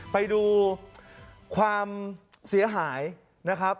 ไปดูความเสียหายนะครับ